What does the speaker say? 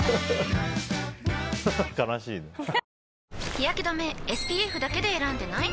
日やけ止めＳＰＦだけで選んでない？